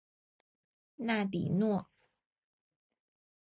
纳比诺。